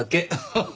ハハハハ！